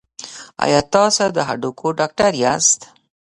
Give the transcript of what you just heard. ایا تاسو د هډوکو ډاکټر یاست؟